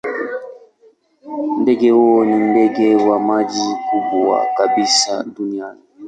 Ndege huyo ni ndege wa maji mkubwa kabisa duniani.